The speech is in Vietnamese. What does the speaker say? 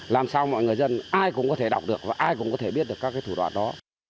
làm sao mọi người dân ai cũng có thể đọc được và ai cũng có thể biết được các thủ đoạn đó